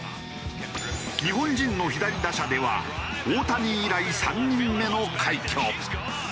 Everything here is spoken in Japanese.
日本人の左打者では大谷以来３人目の快挙。